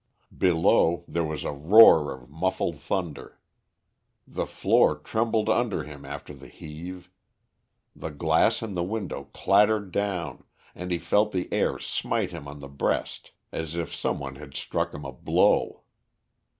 Below, there was a roar of muffled thunder. The floor trembled under him after the heave. The glass in the window clattered down, and he felt the air smite him on the breast as if some one had struck him a blow.